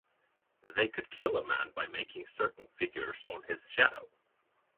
They could kill a man by making certain figures on his shadow.